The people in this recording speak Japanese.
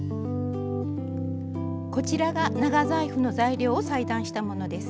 こちらが長財布の材料を裁断したものです。